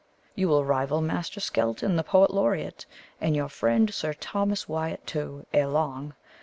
"You will rival Master Skelton, the poet laureate, and your friend Sir Thomas Wyat, too, ere long.